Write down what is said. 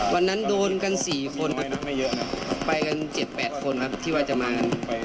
วันนั้นโดนกันสี่คนไปกัน๗๘คนครับที่ว่าจะมา